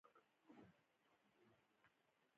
وروسته یې ترمامتر خالصو ایشېدلو اوبو بړاس ته ونیو.